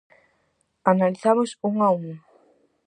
Analizamos un a un.